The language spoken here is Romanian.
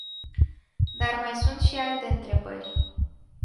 Dar mai sunt și alte întrebări.